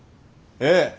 ええ。